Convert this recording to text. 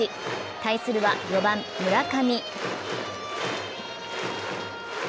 対するは４番・村上。